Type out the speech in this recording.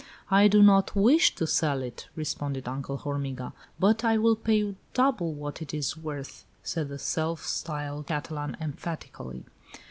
"I do not wish to sell it," responded Uncle Hormiga. "But I will pay you double what it is worth!" said the self styled Catalan emphatically.